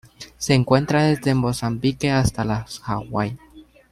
Se encuentra desde Mozambique hasta las Hawaii.